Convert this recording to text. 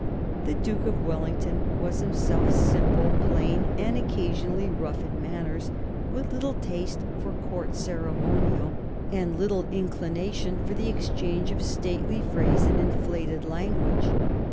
The Duke of Wellington was himself simple, plain, and occasionally rough in manners, with little taste for Court ceremonial and little inclination for the exchange of stately phrase and inflated language.